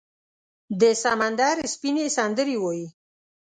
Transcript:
د سمندر سپینې، سندرې وایې